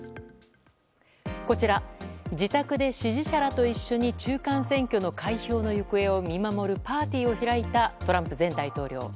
こちら、自宅で支持者らと一緒に中間選挙の開票の行方を見守るパーティーを開いたトランプ前大統領。